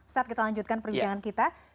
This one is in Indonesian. ustadz kita lanjutkan perbincangan kita